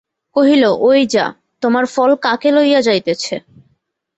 কহিল, ঐ যা, তোমার ফল কাকে লইয়া যাইতেছে।